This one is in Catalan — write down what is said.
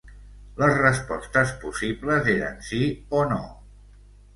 Les respostes possibles eren sí o no.